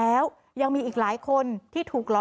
แล้วเริ่มรู้สึกว่าโดนหลอกแล้วเริ่มรู้สึกว่าโดนหลอก